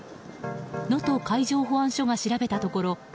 能登海上保安署が調べたところ